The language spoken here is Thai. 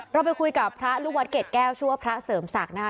เราไปคุยกับพระลูกวัดเกรดแก้วชื่อว่าพระเสริมศักดิ์นะคะ